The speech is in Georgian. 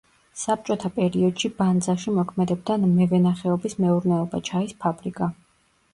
საბჭოთა პერიოდში ბანძაში მოქმედებდა მევენახეობის მეურნეობა, ჩაის ფაბრიკა.